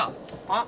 あ？